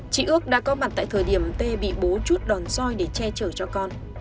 chị ước đã có mặt tại thời điểm t bị bố chút đòn soi để che chở cho con